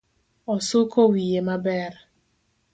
Osuko wiye maber